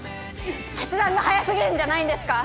決断が早すぎるんじゃないんですか。